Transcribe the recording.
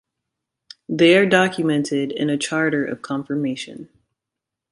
They are documented in a charter of confirmation